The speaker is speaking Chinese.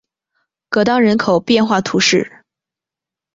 戈当人口变化图示